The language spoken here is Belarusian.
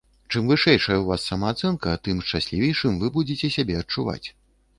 Чым вышэйшая ў вас самаацэнка, тым шчаслівейшым вы будзеце сябе адчуваць.